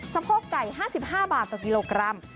สะโพกไก่๕๕บาทต่อกิโลกรัม